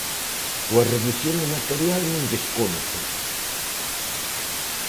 ¡Coa redución de material non lles conto!